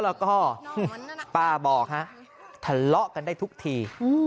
แล้วก็ป้าบอกฮะทะเลาะกันได้ทุกที